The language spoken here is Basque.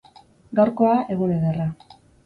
Gaurkoa, egun ederra.